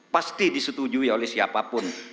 pasti disetujui oleh siapapun